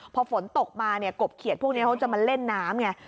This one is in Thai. พอฝนตกมากบเขียดพวกนี้เขาจะมาเล่นน้ำไง